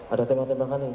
ada tembak tembakan nih